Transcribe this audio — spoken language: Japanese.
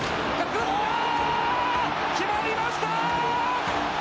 決まりました！